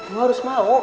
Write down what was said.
lo harus mau